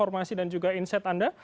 terima kasih dan juga insight anda